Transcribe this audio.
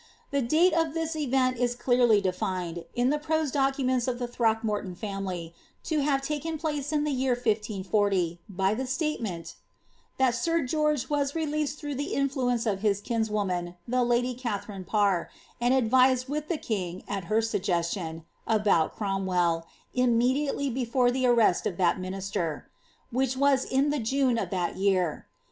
The date of this event is clearly defined, in the prose documents of the Throckmorton family, to have taken place in the year 1540, by the statement ^ that sir George mas released through the influence of his kinswoman, the lady Katfaui rine Parr, and advised with by the king, at her suff<reslion, about Crom well, immediately before the arrest of that minister,'" which was in the June of that year.'